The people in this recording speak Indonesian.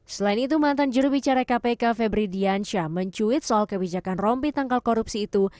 selain itu mantan jurubicara kpk febri diansyah mencuit soal kebijakan rompi tangkal korupsi itu